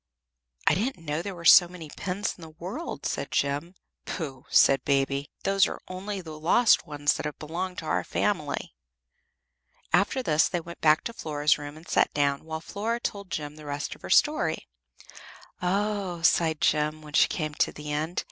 "I didn't know there were so many pins in the world," said Jem. "Pooh!" said Baby. "Those are only the lost ones that have belonged to our family." After this they went back to Flora's room and sat down, while Flora told Jem the rest of her story. "Oh!" sighed Jem, when she came to the end.